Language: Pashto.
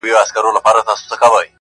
هغه وايي دلته هر څه بدل سوي او سخت دي-